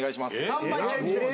３枚チェンジです。